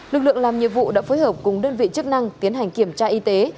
lực lượng làm nhiệm vụ đã phối hợp cùng đơn vị chức năng tiến hành kiểm tra y tế